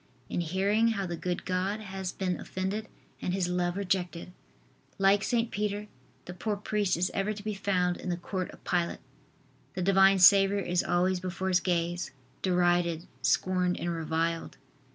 In hearing how the good God has been offended and His love rejected! Like St. Peter the poor priest is ever to be found in the court of Pilate. The Divine Saviour is always before his gaze, derided, scorned and reviled.